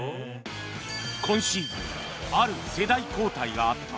今シーズンある世代交代があった。